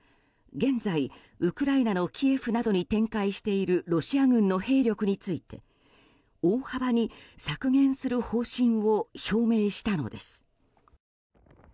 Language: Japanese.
現在、ウクライナのキエフなどに展開しているロシア軍の兵力について大幅に削減する方針を表明したのです。